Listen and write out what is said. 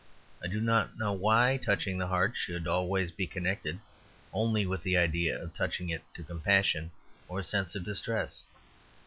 I do not know why touching the heart should always be connected only with the idea of touching it to compassion or a sense of distress.